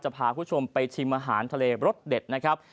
พาคุณผู้ชมไปชิมอาหารทะเลรสเด็ดนะครับ